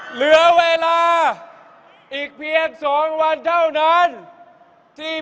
เหลือเวลาอีกเพียง๒วันเท่านั้นที่พวกเราได้มาถึงแล้ว